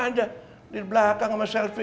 enak aja di belakang sama silpi